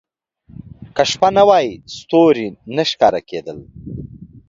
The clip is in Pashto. • که شپه نه وای، ستوري نه ښکاره کېدل.